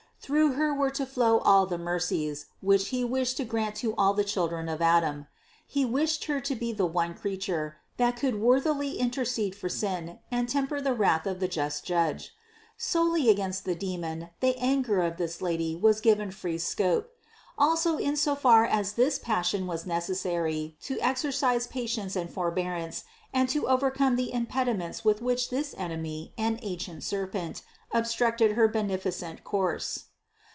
Through Her were to flow all the mercies which He wished to grant to all the children of Adam. He wished Her to be the one Creature, that could worthily intercede for sin and temper the wrath of the just Judge. Solely against the demon the anger of this Lady was given free scope. Also in so far as this passion 444 CITY OF GOD was necessary to exercise patience and forbearance and to overcome the impediments with which this enemy and ancient serpent obstructed her beneficent course.